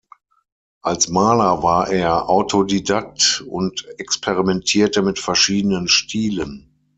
Als Maler war er Autodidakt und experimentierte mit verschiedenen Stilen.